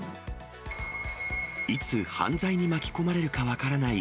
いつ犯罪に巻き込まれるか分からない